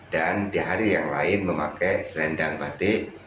dan di hari yang lain memakai selendang batik